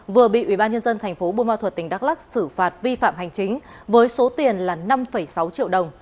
vừa bị ubnd tp bpmt đắk lắc xử phạt vi phạm hành chính với số tiền là năm sáu triệu đồng